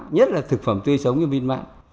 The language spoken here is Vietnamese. nhất là thực phẩm tươi sống như vinmart